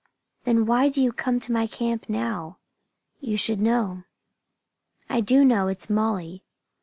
"Then why do you come to my camp now?" "You should know." "I do know. It's Molly!"